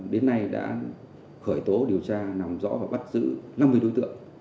đến nay đã khởi tố điều tra làm rõ và bắt giữ năm mươi đối tượng